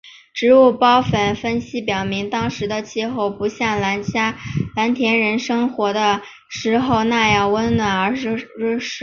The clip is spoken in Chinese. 植物孢粉分析表明当时的气候不像蓝田人生活的时期那样温暖而湿润。